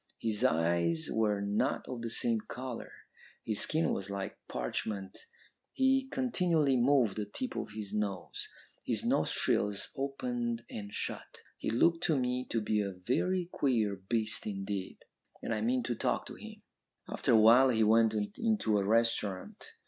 His eyes were not of the same colour; his skin was like parchment; he continually moved the tip of his nose. His nostrils opened and shut. He looked to me to be a very queer beast indeed, and I meant to talk to him. "After a while he went into a restaurant.